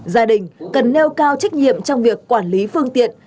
gia đình cần nêu cao trách nhiệm trong việc quản lý phương tiện